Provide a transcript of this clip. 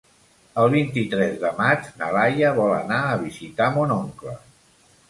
El vint-i-tres de maig na Laia vol anar a visitar mon oncle.